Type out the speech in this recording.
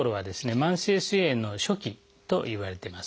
慢性すい炎の初期といわれています。